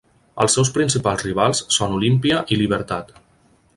Els seus principals rivals són Olimpia i Libertad.